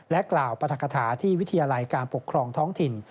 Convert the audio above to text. กล่าวปรัฐกฐาที่วิทยาลัยการปกครองท้องถิ่น